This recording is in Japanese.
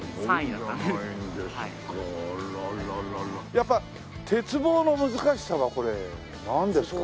やっぱり鉄棒の難しさはこれなんですか？